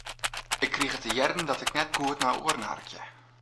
Ik krige te hearren dat ik net goed nei oaren harkje.